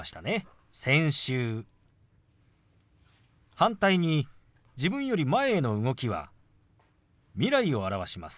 反対に自分より前への動きは未来を表します。